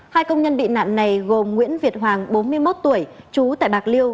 hai công nhân bị nạn này gồm nguyễn việt hoàng bốn mươi một tuổi chú tại bạc liêu